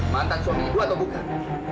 mantan suami ibu atau bukan